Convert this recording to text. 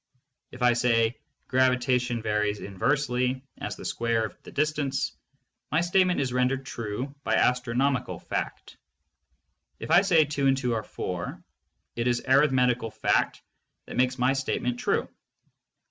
If I say, "Gravitation varies inversely as the square of the distance," my statement is rendered true by astronomical fact. If I say, "Two and two are four," it is arithmetical fact that makes my statement true.